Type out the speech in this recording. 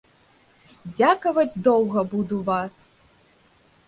Дзякаваць доўга буду вас.